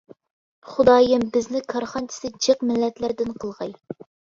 خۇدايىم بىزنى كارخانىچىسى جىق مىللەتلەردىن قىلغاي.